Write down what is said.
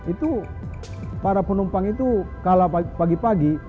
itu para penumpang itu kalah pagi pagi